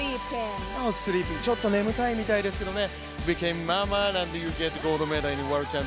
ちょっと眠たいみたいですけどね。